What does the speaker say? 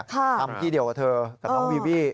ทำที่เดียวกับเธอกับน้องวีวี่